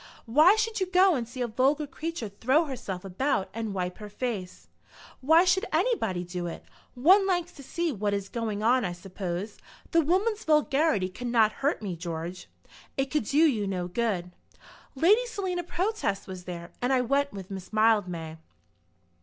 "Why should you go and see a vulgar creature throw herself about and wipe her face?" "Why should anybody do it? One likes to see what is going on, I suppose. The woman's vulgarity could not hurt me, George." "It could do you no good." "Lady Selina Protest was there, and I went with Miss Mildmay."